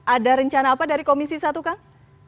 ada rencana apa dari komisi satu kang